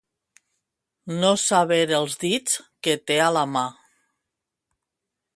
No saber els dits que té a la mà.